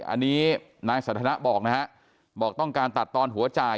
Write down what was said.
อันนี้นายสันทนะบอกนะฮะบอกต้องการตัดตอนหัวจ่าย